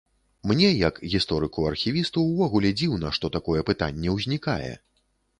Мне як гісторыку-архівісту ўвогуле дзіўна, што такое пытанне ўзнікае.